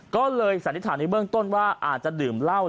ก็เลยสันนิษฐานในเบื้องต้นว่าอาจจะดื่มเหล้า